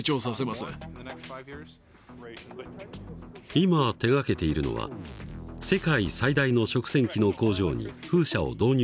今手がけているのは世界最大の食洗機の工場に風車を導入するプロジェクト。